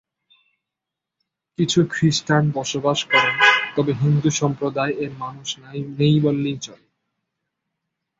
কিছু খ্রিস্টান বসবাস করেন তবে হিন্দু সম্প্রদায় এর মানুষ নেই বললেই চলে।